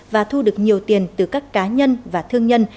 và thu được nhiều tiền từ các cá nhân và thương nhân